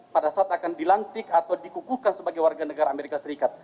pada saat akan dilantik atau dikukuhkan sebagai warga negara amerika serikat